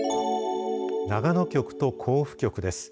長野局と甲府局です。